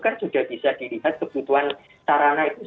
kan sudah bisa dilihat kebutuhan sarana itu